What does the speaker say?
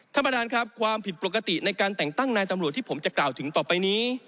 ท่านประธานครับความผิดปกติในการแต่งตั้งนายตำรวจที่ผมจะกล่าวถึงต่อไปนี้